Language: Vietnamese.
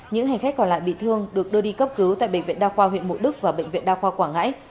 những hành khách còn lại bị thương được đưa đi cấp cứu tại bệnh viện đa khoa huyện mộ đức và bệnh viện đa khoa quảng ngãi